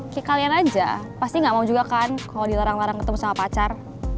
ke kalian aja pasti gak mau juga kan kalau dilarang larang ketemu sama pacar